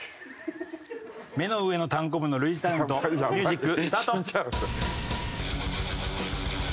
「目の上のたんこぶの類似タレント」ミュージックスタート。